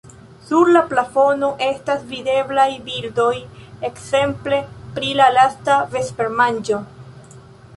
Sur la plafono estas videblaj bildoj ekzemple pri La lasta vespermanĝo.